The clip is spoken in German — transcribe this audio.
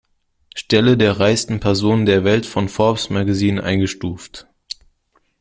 Stelle der reichsten Personen der Welt von Forbes Magazine eingestuft.